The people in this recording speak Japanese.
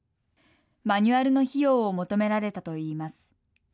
マニュアルの費用を求められたといいます。